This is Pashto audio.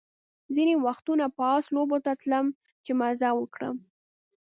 ځینې وختونه به آس لوبو ته تلم چې مزه وکړم.